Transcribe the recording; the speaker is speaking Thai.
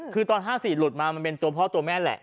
คือตอน๕๔หลุดมามันเป็นตัวพ่อตัวแม่แหละ